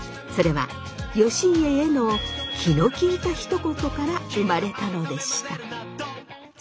それは義家への気の利いたひと言から生まれたのでした。